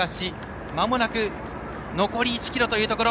まもなく残り１ｋｍというところ。